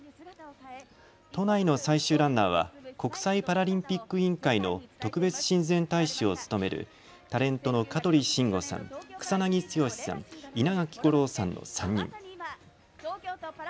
都内の最終ランナーは国際パラリンピック委員会の特別親善大使を務めるタレントの香取慎吾さん、草なぎ剛さん、稲垣吾郎さんの３人。